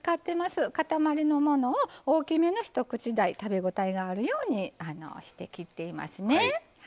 塊のものを大きめの一口大食べ応えがあるようにして切っていますね。